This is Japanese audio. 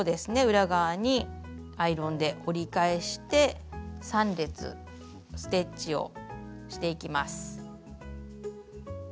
裏側にアイロンで折り返して３列ステッチをしていきます。